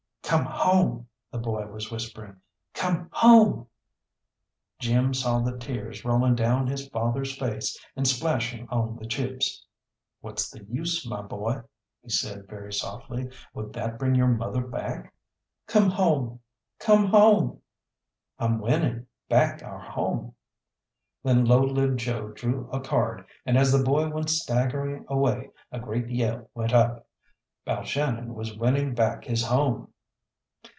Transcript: "Come home!" the boy was whispering. "Come home!" Jim saw the tears rolling down his father's face, and splashing on the chips. "What's the use, my boy?" he said very softly. "Would that bring your mother back?" "Come home! Come home!" "I'm winning back our home!" Then Low Lived Joe drew a card, and as the boy went staggering away a great yell went up. Balshannon was winning back his home.